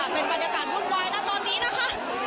นี่ค่ะเป็นบรรยากาศหุ้นวายแล้วตอนนี้นะคะ